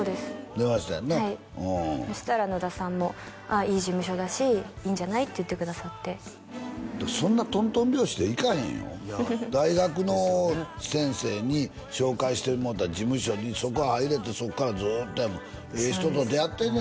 電話したやんなはいそしたら野田さんも「ああいい事務所だしいいんじゃない？」って言ってくださってそんなとんとん拍子でいかへんよ大学の先生に紹介してもろうた事務所にそこ入れってそっからずっとやもんええ人と出会ってんね